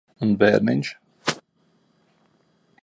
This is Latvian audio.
Un bērniņš?